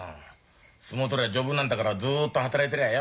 相撲取りは丈夫なんだからずっと働いてりゃよ。